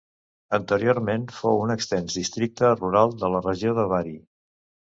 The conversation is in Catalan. Anteriorment fou un extens districte rural de la regió de Bari.